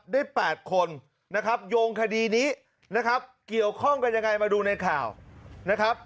ได้๘คนนะครับโยงคดีนี้นะครับเกี่ยวข้องกันยังไงมาดูในข่าวนะครับ